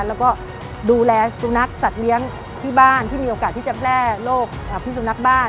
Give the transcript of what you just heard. แล้วก็ดูแลสุนัขสัตว์เลี้ยงที่บ้านที่มีโอกาสที่จะแพร่โรคพิสุนักบ้าน